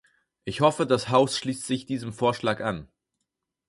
Ich hoffe, das Haus schließt sich diesem Vorschlag an.